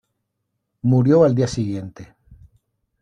Murió al día siguiente.